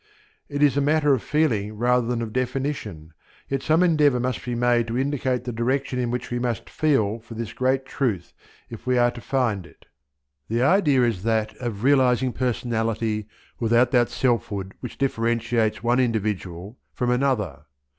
It is a matter of feeling rather than of definition; yet some endeavour must be made to indicate the direction in which we must feel for this great truth if we are to find it. The idea is that of realizing personality without that selfhood which differentiates one individual from another.